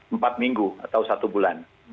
empat minggu atau satu bulan